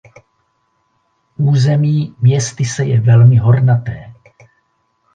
Území městyse je velmi hornaté.